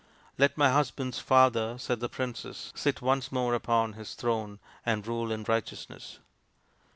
" Let my husband's father," said the princess, " sit once more upon his throne and rule in righteousness."